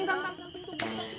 aku juga nggak tau